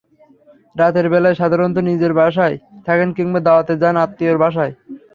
রাতের বেলায় সাধারণত নিজের বাসায় থাকেন কিংবা দাওয়াতে যান আত্মীয়র বাসায়।